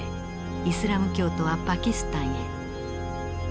イスラム教徒はパキスタンへ。